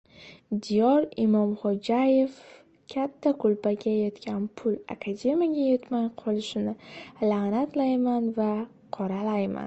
Diyor Imomxo‘jayev: «Katta klubga yetgan pul akademiyaga yetmay qolishini la’natlayman va qoralayman»